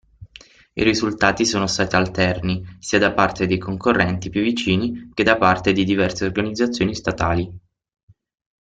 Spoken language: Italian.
I risultati sono stati alterni, sia da parte dei concorrenti più vicini che da parte di diverse organizzazioni statali.